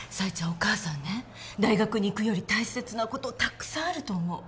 お母さんね大学に行くより大切なことたくさんあると思う。